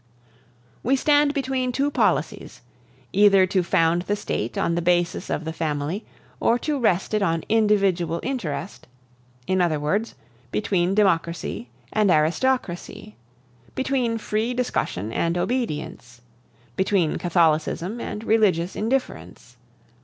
"We stand between two policies either to found the State on the basis of the family, or to rest it on individual interest in other words, between democracy and aristocracy, between free discussion and obedience, between Catholicism and religious indifference.